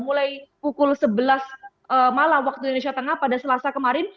mulai pukul sebelas malam waktu indonesia tengah pada selasa kemarin